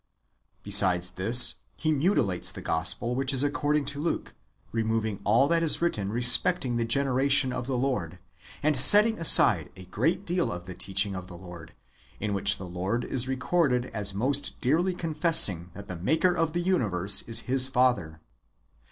Besides this, he mutilates the Gospel which is according to Luke, removing all that is written respecting the generation of the Lord, and setting aside a great deal of the teaching of the Lord, in which the Lord is recorded as most clearly con fessin£p that the Maker of this universe is His Father.